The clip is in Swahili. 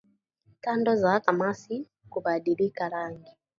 Tando za kamasi kubadilika rangi